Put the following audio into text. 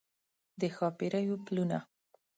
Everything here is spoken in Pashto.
د ښاپیریو پلونه